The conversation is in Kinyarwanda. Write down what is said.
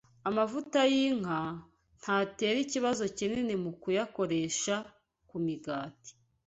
Amavuta y’inka ntatera ikibazo kinini mu kuyakoresha ku migati